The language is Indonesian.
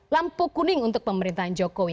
lampu kuning untuk pemerintahan jokowi